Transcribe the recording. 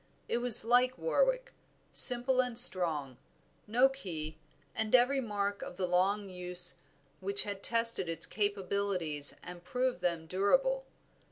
It was like Warwick, simple and strong, no key, and every mark of the long use which had tested its capabilities and proved them durable.